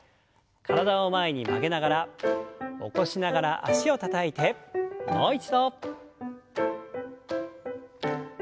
体を前に曲げながら起こしながら脚をたたいてもう一度。